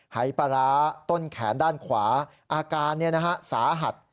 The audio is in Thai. หายปลาร้าต้นแขนด้านขวาอาการสาหัส